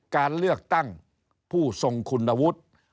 การเลือกตั้งผู้ทรงคุณวุฒิ